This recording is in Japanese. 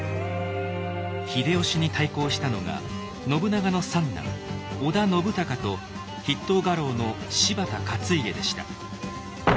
秀吉に対抗したのが信長の三男織田信孝と筆頭家老の柴田勝家でした。